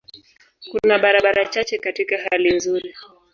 Kuna barabara chache katika hali nzuri.